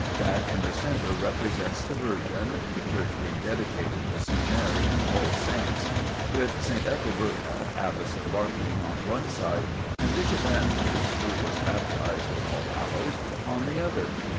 That in the centre represents the Virgin (the church being dedicated to St. Mary and All Saints), with St Ethelburga, Abbess of Barking, on one side and Bishop Andrewes (who was baptised in Allhallows) on the other.